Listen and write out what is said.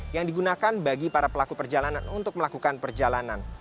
yang digunakan bagi para pelaku perjalanan untuk melakukan perjalanan